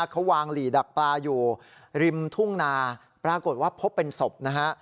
เขาวางหลีดักปลาอยู่ริมทุ่งนาปรากฏว่าพบเป็นศพนะฮะ